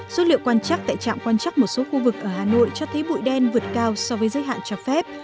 số liệu quan trắc tại trạm quan chắc một số khu vực ở hà nội cho thấy bụi đen vượt cao so với giới hạn cho phép